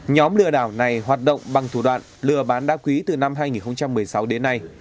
nhóm lừa đảo này hoạt động bằng thủ đoạn lừa bán đá quý từ năm hai nghìn một mươi sáu đến nay